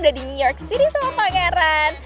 udah di new york sini sama pangeran